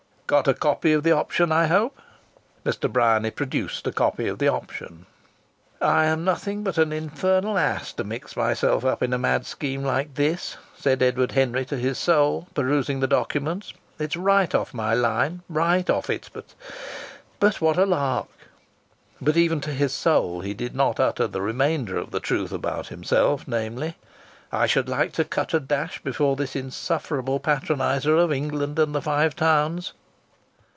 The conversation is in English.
"Got a copy of the option, I hope!" Mr. Bryany produced a copy of the option. "I am nothing but an infernal ass to mix myself up in a mad scheme like this," said Edward Henry to his soul, perusing the documents. "It's right off my line, right bang off it ...! But what a lark!" But even to his soul he did not utter the remainder of the truth about himself, namely: "I should like to cut a dash before this insufferable patronizer of England and the Five Towns."